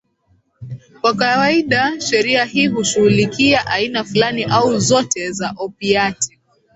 Kwa kawaida sheria hii hushughulikia aina fulani au zote za opiati